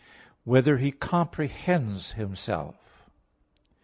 (3) Whether He comprehends Himself?